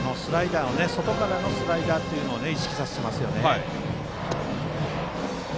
外からのスライダーを意識させてますね。